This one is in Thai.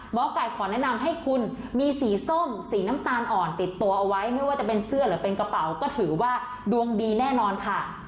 หมอไก่ขอแนะนำให้คุณมีสีส้มสีน้ำตาลอ่อนติดตัวเอาไว้ไม่ว่าจะเป็นเสื้อหรือเป็นกระเป๋าก็ถือว่าดวงดีแน่นอนค่ะ